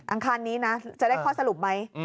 คารนี้นะจะได้ข้อสรุปไหม